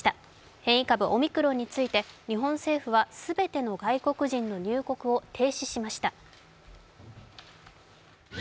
変異株オミクロンについて、日本政府は全ての外国人の入国を停止ししました。